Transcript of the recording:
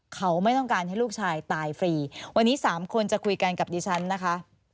เขาไม่ต้องการให้ลูกชายตายฟรีวันนี้๓คนจะคุยกันกับดิฉันนะคะ